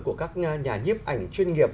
của các nhà nhiếp ảnh chuyên nghiệp